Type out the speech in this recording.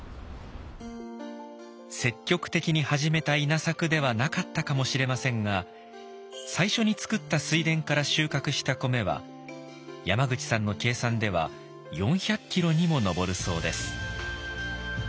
積極的に始めた稲作ではなかったかもしれませんが最初に作った水田から収穫した米は山口さんの計算では４００キロにも上るそうです。